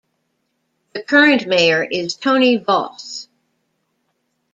The current Mayor is Tony Vauss.